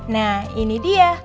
nah ini dia